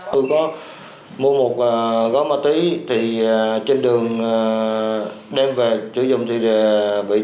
tôi có mua một gó ma túy thì trên đường đem về sử dụng thì bị tổ